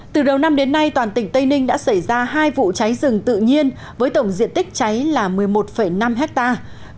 từ đầu năm đến nay toàn tỉnh tây ninh đã xảy ra hai vụ cháy rừng tự nhiên với tổng diện tích cháy là một mươi một năm hectare